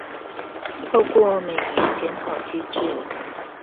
透過每年檢討機制